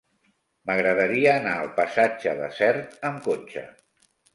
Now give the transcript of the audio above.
M'agradaria anar al passatge de Sert amb cotxe.